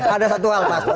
ada satu hal pak astok